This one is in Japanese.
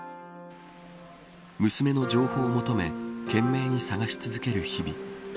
娘の情報を求め懸命に捜し続ける日々。